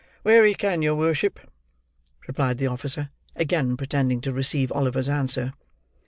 "Where he can, your worship," replied the officer; again pretending to receive Oliver's answer.